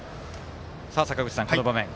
坂口さん、この場面。